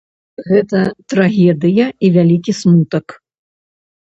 Гэта трагедыя і вялікі смутак.